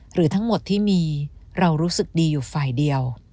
หรือทั้งหมดที่มีเรารู้สึกดีอยู่ฝ่ายเดียว